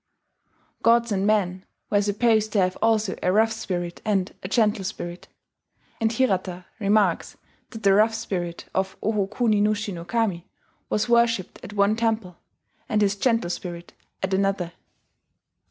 Gods and men were supposed to have also a Rough Spirit and a Gentle Spirit; and Hirata remarks that the Rough Spirit of Oho kuni nushi no Kami was worshipped at one temple, and his Gentle Spirit at another.